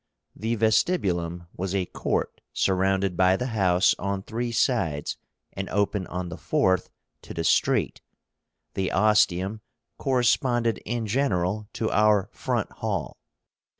The VESTIBULUM was a court surrounded by the house on three sides, and open on the fourth to the street. The OSTIUM corresponded in general to our front hall.